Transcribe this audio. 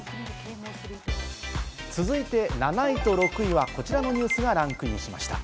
続いて７位と６位はこちらのニュースがランクインしました。